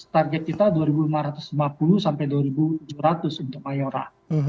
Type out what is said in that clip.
target kita dua ribu lima ratus lima puluh dua ribu tujuh ratus untuk mayora